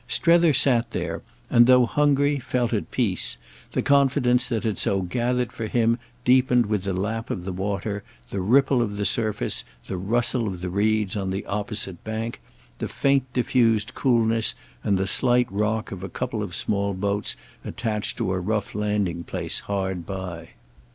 Strether sat there and, though hungry, felt at peace; the confidence that had so gathered for him deepened with the lap of the water, the ripple of the surface, the rustle of the reeds on the opposite bank, the faint diffused coolness and the slight rock of a couple of small boats attached to a rough landing place hard by.